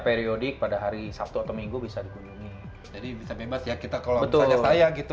periodik pada hari sabtu atau minggu bisa dikunjungi jadi bisa bebas ya kita kalau misalnya saya gitu